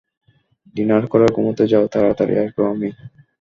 Dinner করে ঘুমাতে যাও, তাড়াতাড়িই আসবো আমি।